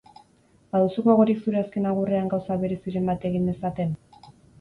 Baduzu gogorik zure azken agurrean gauza bereziren bat egin dezaten?